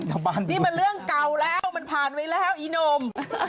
นี่มันเรื่องเก่าแล้วมันผ่านไว้แล้วอีหนุ่ม